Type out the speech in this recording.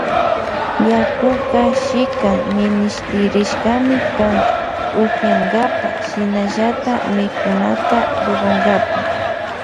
Yakuka shikan minishtirishkami kan upiyankapa shinallata mikunata rurankapa.